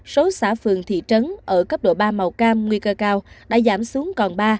số xã phường thị trấn ở cấp độ ba màu cam nguy cơ cao đã giảm xuống còn ba